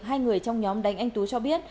hai người trong nhóm đánh anh tú cho biết